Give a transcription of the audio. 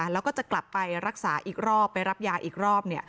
แล้วก็จะกลับไปรักษาอีกรอบไปรับยาอีกรอบ